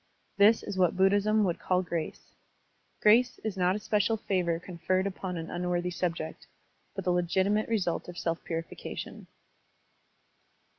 This is what Buddhism would call grace. Grace is not a special favor conferred upon an unworthy subject, but the legitimate result of self purification.